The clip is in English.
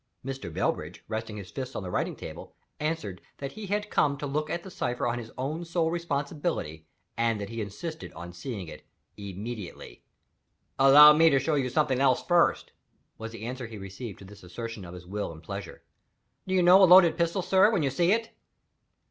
Mr. Bellbridge, resting his fists on the writing table, answered that he had come to look at the cipher on his own sole responsibility, and that he insisted on seeing it immediately. "Allow me to show you something else first," was the reply he received to this assertion of his will and pleasure. "Do you know a loaded pistol, sir, when you see it?"